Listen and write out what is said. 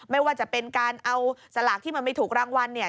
ไม่ว่าจะเป็นการเอาสลากที่มันไม่ถูกรางวัลเนี่ย